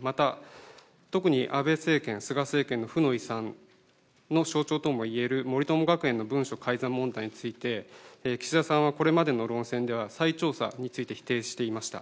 また、特に安倍政権、菅政権の負の遺産の象徴ともいえる森友学園の文書改ざん問題について、岸田さんはこれまでの論戦では、再調査について否定していました。